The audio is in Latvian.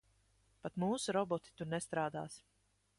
Pat mūsu roboti tur nestrādās.